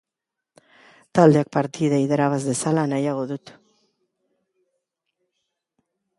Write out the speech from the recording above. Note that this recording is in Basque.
Taldeak partida irabaz dezala nahiago dut.